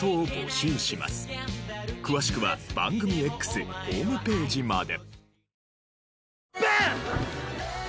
詳しくは番組Ｘホームページまで。